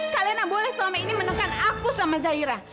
kak lena boleh selama ini menekan aku sama zaira